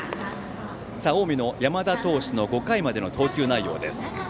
近江の山田投手の５回までの投球内容です。